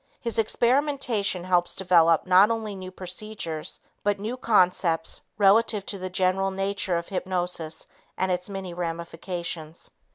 His experimentation helps develop not only new procedures, but new concepts relative to the general nature of hypnosis and its many ramifications.